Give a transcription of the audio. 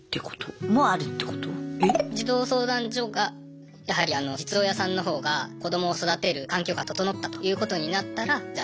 児童相談所がやはりあの実親さんのほうが子どもを育てる環境が整ったということになったらじゃあ